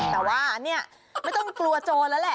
แต่ว่าเนี่ยไม่ต้องกลัวโจรแล้วแหละ